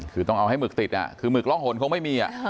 คือต้องเอาให้หึกติดคือหมึกร่องหนคงไม่มี